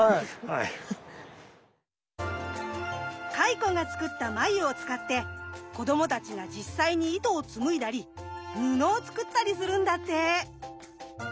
蚕が作った繭を使って子どもたちが実際に糸を紡いだり布を作ったりするんだって。